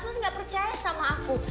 mas gak percaya sama aku